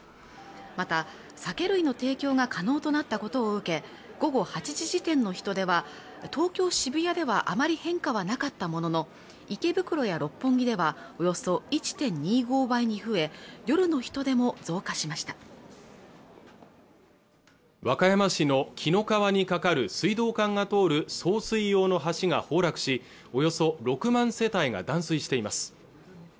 また酒類の提供が可能となったことを受け午後８時時点の人出は東京・渋谷ではあまり変化はなかったものの池袋や六本木ではおよそ１．２５倍に増え夜の人出も増加しました和歌山市の紀の川に架かる水道管が通る送水用の橋が崩落しおよそ６万世帯が断水しています